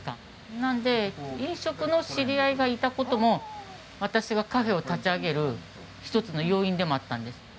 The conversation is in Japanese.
なので飲食の知り合いがいた事も私がカフェを立ち上げる一つの要因でもあったんです。